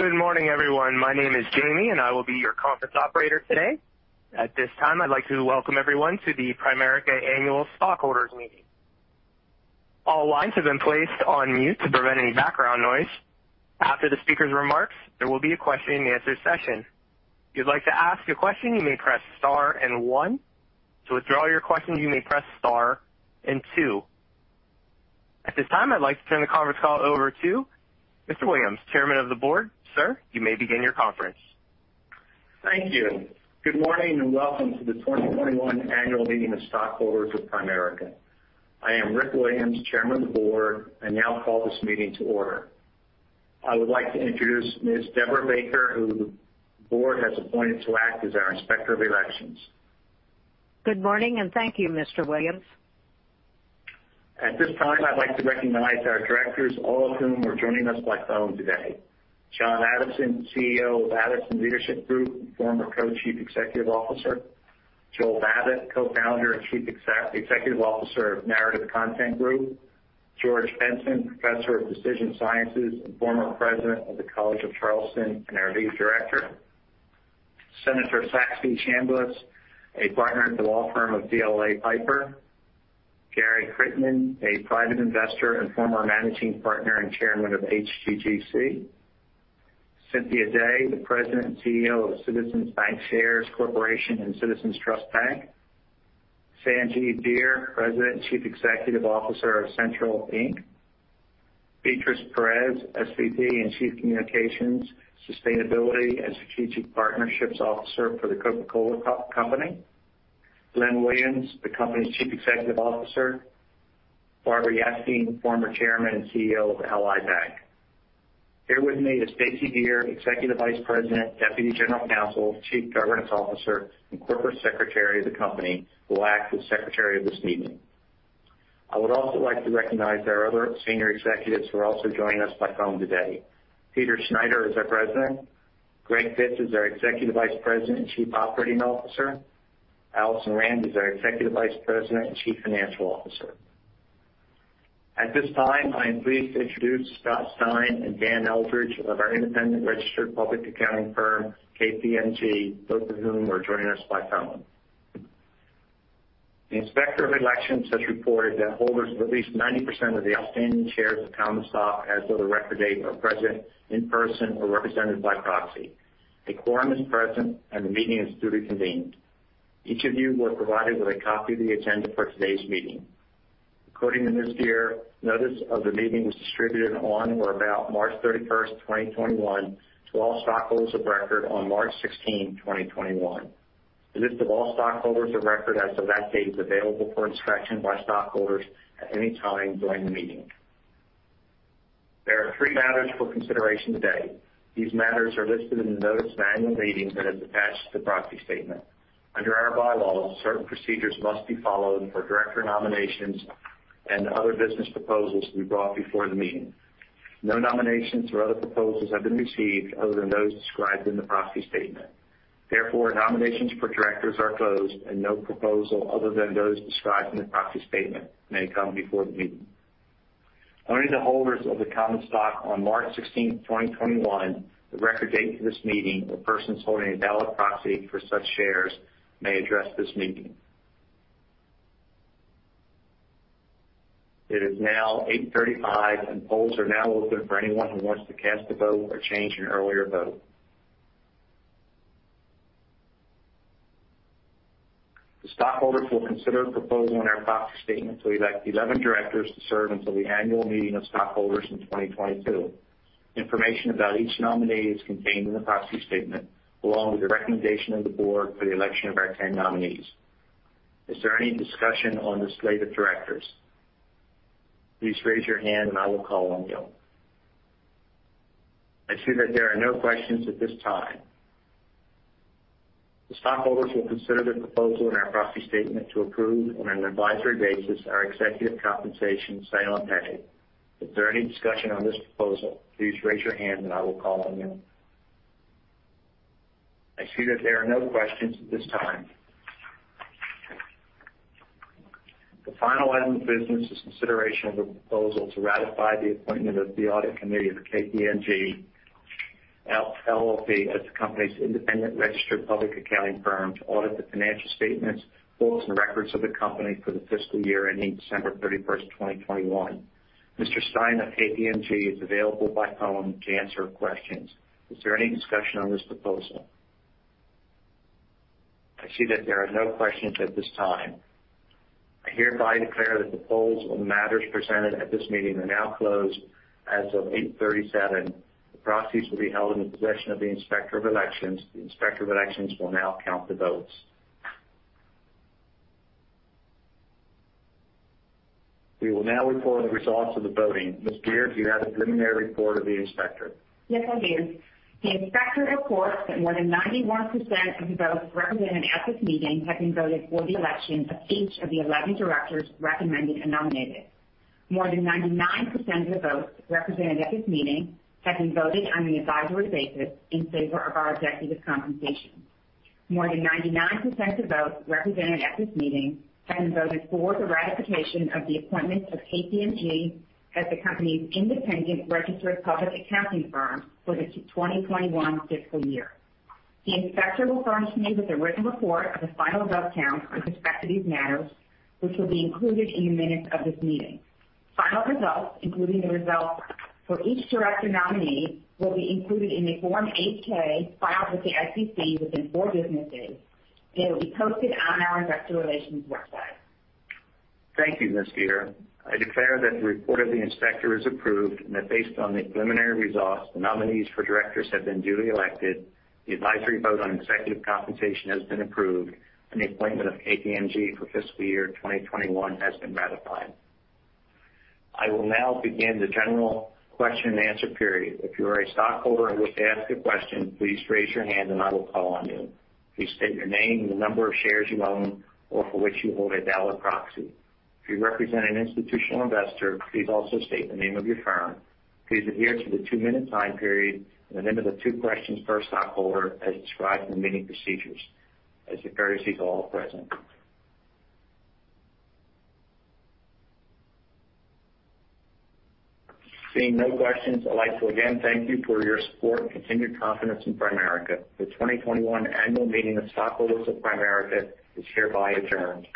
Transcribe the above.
Good morning, everyone. My name is Jamie, and I will be your conference operator today. At this time, I'd like to welcome everyone to the Primerica Annual Stockholders Meeting. All lines have been placed on mute to prevent any background noise. After the speaker's remarks, there will be a question and answer session. If you'd like to ask a question, you may press star and one. To withdraw your question, you may press star and two. At this time, I'd like to turn the conference call over to Mr. Williams, Chairman of the Board. Sir, you may begin your conference. Thank you. Good morning, and welcome to the 2021 annual meeting of stockholders of Primerica. I am Rick Williams, Chairman of the Board. I now call this meeting to order. I would like to introduce Ms. Deborah Baker, who the Board has appointed to act as our Inspector of Elections. Good morning, and thank you, Mr. Williams. At this time, I'd like to recognize our directors, all of whom are joining us by phone today. John Addison, CEO of Addison Leadership Group, and former Co-Chief Executive Officer. Joel Babbit, Co-founder and Chief Executive Officer of Narrative Content Group. George Benson, professor of decision sciences and former President of the College of Charleston, and our Lead Director. Senator Saxby Chambliss, a Partner at the law firm of DLA Piper. Gary Crittenden, a private investor and former Managing Partner and Chairman of HGGC. Cynthia Day, the President and CEO of Citizens Bancshares Corporation and Citizens Trust Bank. Sanjeev Dheer, President and Chief Executive Officer of CENTRL, Inc. Beatriz Perez, SVP and Chief Communications, Sustainability, and Strategic Partnerships Officer for The Coca-Cola Company. Glenn Williams, the company's Chief Executive Officer. Barbara Yastine, former Chairman and CEO of Ally Bank. Here with me is Stacey Geer, Executive Vice President, Deputy General Counsel, Chief Governance Officer, and Corporate Secretary of the company, who will act as Secretary of this meeting. I would also like to recognize our other senior executives who are also joining us by phone today. Peter Schneider is our President. Greg Pitts is our Executive Vice President and Chief Operating Officer. Alison Rand is our Executive Vice President and Chief Financial Officer. At this time, I am pleased to introduce Scott Stein and Dan Eldridge of our independent registered public accounting firm, KPMG, both of whom are joining us by phone. The Inspector of Elections has reported that holders of at least 90% of the outstanding shares of common stock as of the record date are present in person or represented by proxy. A quorum is present, and the meeting is duly convened. Each of you was provided with a copy of the agenda for today's meeting. According to Ms. Geer, notice of the meeting was distributed on or about March 31st, 2021, to all stockholders of record on March 16, 2021. The list of all stockholders of record as of that date is available for inspection by stockholders at any time during the meeting. There are three matters for consideration today. These matters are listed in the notice of annual meeting that is attached to the proxy statement. Under our bylaws, certain procedures must be followed for director nominations and other business proposals to be brought before the meeting. No nominations or other proposals have been received other than those described in the proxy statement. Therefore, nominations for directors are closed, and no proposal other than those described in the proxy statement may come before the meeting. Only the holders of the common stock on March 16th, 2021, the record date for this meeting, or persons holding a valid proxy for such shares, may address this meeting. It is now 8:35 A.M., and polls are now open for anyone who wants to cast a vote or change an earlier vote. The stockholders will consider a proposal in our proxy statement to elect the 11 directors to serve until the annual meeting of stockholders in 2022. Information about each nominee is contained in the proxy statement, along with the recommendation of the board for the election of our 10 nominees. Is there any discussion on the slate of directors? Please raise your hand and I will call on you. I see that there are no questions at this time. The stockholders will consider the proposal in our proxy statement to approve, on an advisory basis, our executive compensation say on pay. Is there any discussion on this proposal? Please raise your hand and I will call on you. I see that there are no questions at this time. The final item of business is consideration of the proposal to ratify the appointment of the audit committee of KPMG LLP as the company's independent registered public accounting firm to audit the financial statements, books, and records of the company for the fiscal year ending December 31st, 2021. Mr. Stein of KPMG is available by phone to answer questions. Is there any discussion on this proposal? I see that there are no questions at this time. I hereby declare that the polls on matters presented at this meeting are now closed as of 8:37 A.M. The proxies will be held in the possession of the Inspector of Elections. The Inspector of Elections will now count the votes. We will now report the results of the voting. Ms. Geer, do you have the preliminary report of the Inspector? Yes, I do. The Inspector reports that more than 91% of the votes represented at this meeting have been voted for the election of each of the 11 directors recommended and nominated. More than 99% of the votes represented at this meeting have been voted on the advisory basis in favor of our executive compensation. More than 99% of votes represented at this meeting have been voted for the ratification of the appointment of KPMG as the company's independent registered public accounting firm for the 2021 fiscal year. The Inspector will furnish me with a written report of the final vote count with respect to these matters, which will be included in the minutes of this meeting. Final results, including the results for each director nominee, will be included in the Form 8-K filed with the SEC within four business days, and it will be posted on our investor relations website. Thank you, Ms. Geer. I declare that the report of the Inspector is approved and that based on the preliminary results, the nominees for directors have been duly elected, the advisory vote on executive compensation has been approved, and the appointment of KPMG for fiscal year 2021 has been ratified. I will now begin the general question and answer period. If you are a stockholder and wish to ask a question, please raise your hand and I will call on you. Please state your name and the number of shares you own or for which you hold a valid proxy. If you represent an institutional investor, please also state the name of your firm. Please adhere to the two-minute time period and the limit of two questions per stockholder as described in the meeting procedures. I declare these all present. Seeing no questions, I'd like to again thank you for your support and continued confidence in Primerica. The 2021 annual meeting of stockholders of Primerica is hereby adjourned.